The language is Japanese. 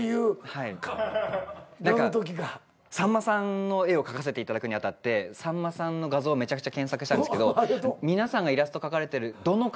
さんまさんの絵を描かせていただくに当たってさんまさんの画像めちゃくちゃ検索したんですけど皆さんがイラスト描かれてるどの顔もさんまさん